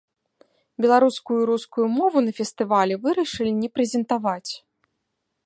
Беларускую і рускую мову на фестывалі вырашылі не прэзентаваць.